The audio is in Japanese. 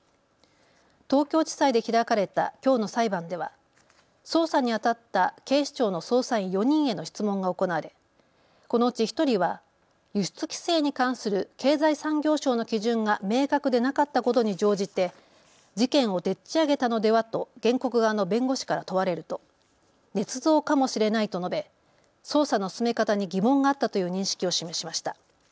東京地裁で開かれたきょうの裁判では捜査にあたった警視庁の捜査員４人への質問が行われこのうち１人は輸出規制に関する経済産業省の基準が明確でなかったことに乗じて事件をでっちあげたのではと原告側の弁護士から問われるとねつ造かもしれないと述べ、捜査の進め方に疑問があったという認識を示しました。